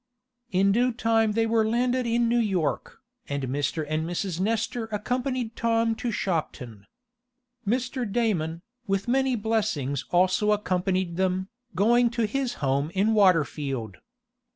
In due time they were landed in New York, and Mr. and Mrs. Nestor accompanied Tom to Shopton. Mr. Damon, with many blessings also accompanied them, going to his home in Waterfield.